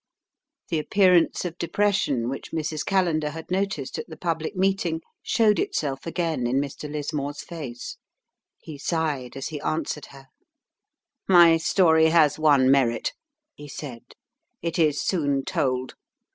The appearance of depression which Mrs. Callender had noticed at the public meeting showed itself again in Mr. Lismore's face. He sighed as he answered her. "My story has one merit," he said: "it is soon told.